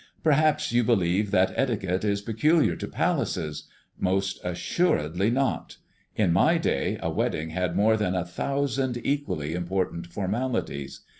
Perhaps you believe that etiquette is peculiar to palaces. Most assuredly not. In my day a wedding had more than a thousand equally important formalities.